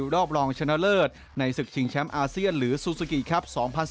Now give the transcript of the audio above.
รอบรองชนะเลิศในศึกชิงแชมป์อาเซียนหรือซูซูกิครับ๒๐๑๙